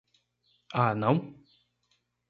Ah não?